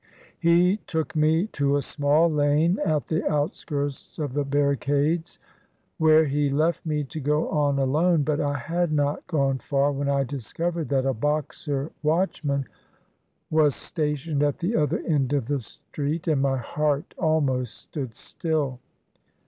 He took me to a small lane at the outskirts of the bar ricades, where he left me to go on alone ; but I had not gone far when I discovered that a Boxer watchman was stationed at the other end of the street and my heart almost stood still.